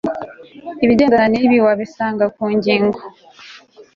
Ibigendana nibi wabisanga ku ngingo